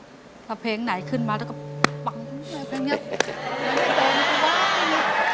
ดูไฟล์ยังไหนขึ้นมาเป็นนี้